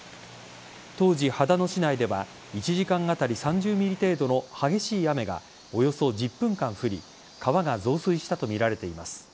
当時、秦野市内では１時間当たり３０ｍｍ程度の激しい雨がおよそ１０分間降り川が増水したとみられています。